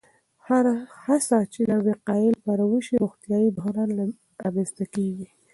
هره هڅه چې د وقایې لپاره وشي، روغتیایي بحران نه رامنځته کېږي.